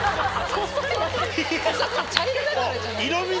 細くて茶色だからじゃないの？